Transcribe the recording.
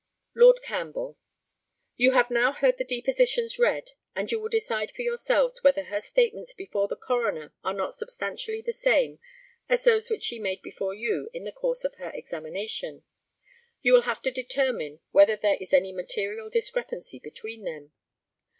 Lord CAMPBELL: You have now heard the depositions read, and you will decide for yourselves whether her statements before the coroner are not substantially the same as those which she made before you in the course of her examination. You will have to determine whether there is any material discrepancy between them.